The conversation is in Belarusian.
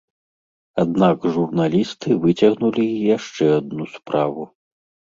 Аднак журналісты выцягнулі і яшчэ адну справу.